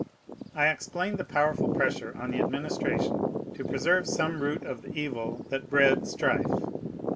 I explained the powerful pressure on the administration to preserve some root of the evil that bred strife.